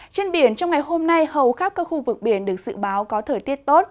trên biển trong ngày hôm nay hầu khắp các khu vực biển được dự báo có thời tiết tốt